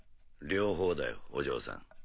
両方だよお嬢さん。